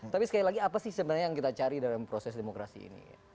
tapi sekali lagi apa sih sebenarnya yang kita cari dalam proses demokrasi ini